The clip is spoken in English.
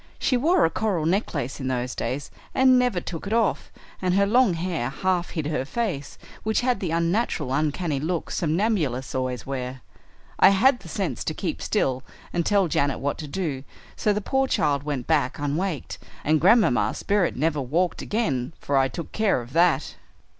She wore a coral necklace in those days, and never took it off, and her long hair half hid her face, which had the unnatural, uncanny look somnambulists always wear. I had the sense to keep still and tell Janet what to do, so the poor child went back unwaked, and Grandmamma's spirit never walked again for I took care of that."